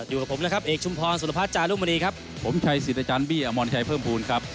อยู่กับผมนะครับเอกชุมพรสุรพัฒนจารุมณีครับผมชัยสิทธิ์อาจารย์บี้อมรชัยเพิ่มภูมิครับ